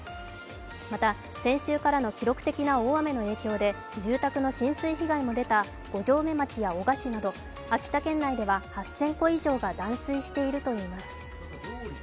また、先週からの記録的な大雨の影響で住宅の浸水被害の出た五城目町や男鹿市など秋田県内では８０００戸以上が断水しているといいます。